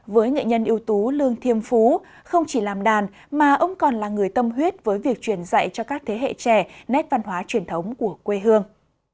với nghệ nhân yếu tố lương thiêm phú không chỉ làm đàn mà ông còn là người tâm huyết với việc truyền dạy cho các thế hệ trẻ nét văn hóa truyền thống của quê hương